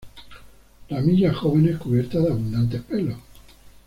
Ramillas jóvenes cubiertas de abundantes pelos.